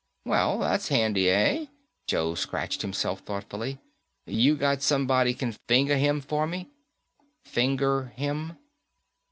"Well, that's handy, eh?" Joe scratched himself thoughtfully. "You got somebody can finger him for me?" "Finger him?"